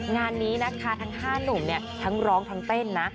งานนี้นะคะทั้ง๕หนุ่มเนี่ยทั้งร้องทั้งเต้นนะ